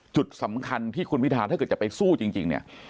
จุดสำคัญที่คุณพิทาถ้าเกิดจะไปสู้จริงเนี่ย